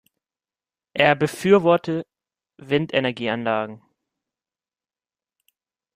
Er befürworte Windenergieanlagen.